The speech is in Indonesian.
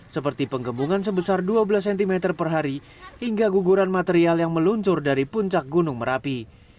seperti penggembungan sebesar dua belas cm per hari hingga guguran material yang meluncur dari puncak gunung merapi